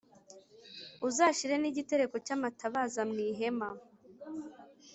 Uzashyire n’ igitereko cy’ amatabaza mw’ ihema